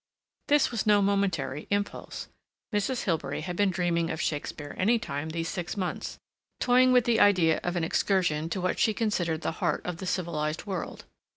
This was no momentary impulse. Mrs. Hilbery had been dreaming of Shakespeare any time these six months, toying with the idea of an excursion to what she considered the heart of the civilized world.